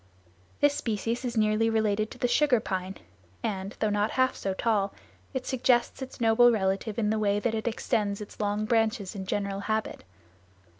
This species is nearly related to the sugar pine and, though not half so tall, it suggests its noble relative in the way that it extends its long branches in general habit.